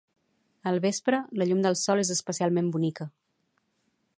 Al vespre, la llum del sol és especialment bonica.